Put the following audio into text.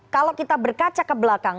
kalau kita berkaca ke belakang